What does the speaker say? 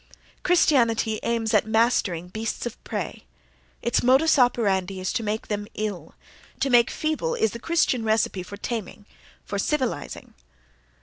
Christianity aims at mastering beasts of prey; its modus operandi is to make them ill—to make feeble is the Christian recipe for taming, for "civilizing."